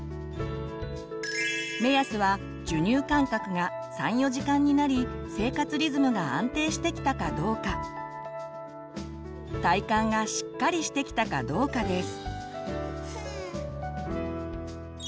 目安は授乳間隔が３４時間になり生活リズムが安定してきたかどうか体幹がしっかりしてきたかどうかです。